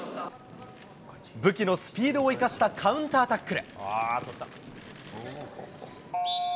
武器のスピードを生かしたカウンタータックル。